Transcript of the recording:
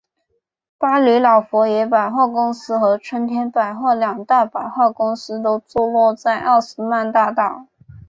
巴黎老佛爷百货公司和春天百货两大百货公司都坐落在奥斯曼大道。